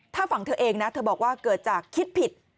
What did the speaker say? ถ้าฝั่งเธอเองนะเธอบอกว่าเกิดจากคิดผิด